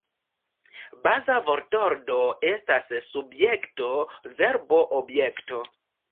Baza vortordo estas Subjekto-Verbo-Objekto.